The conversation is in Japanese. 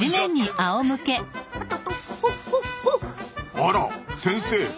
あら先生！